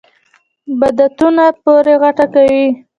بدعتونو پورې غوټه کوي.